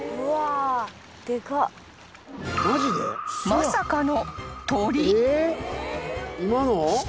［まさかの］